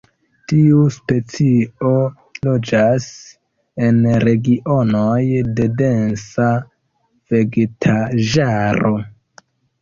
Tiu specio loĝas en regionoj de densa vegetaĵaro.